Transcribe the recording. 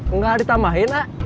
enggak ditambahin aak